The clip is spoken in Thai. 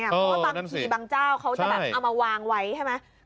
เพราะว่าบางทีบางเจ้าเขาจะแบบเอามาวางไว้ใช่ไหม